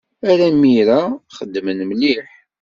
Ar imir-a, xedmen mliḥ.